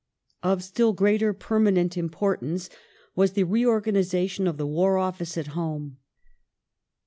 Of still greater permanent importance was the reorganization of the War Office at home.